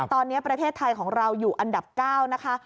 ตอนนี้ประเทศไทยของเราอยู่อันดับ๙นะคะ